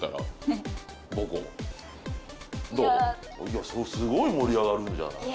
いやすごい盛り上がるんじゃない？